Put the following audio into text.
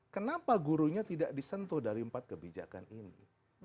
kenapa gurunya tidak disentuh dari empat kebijakan ini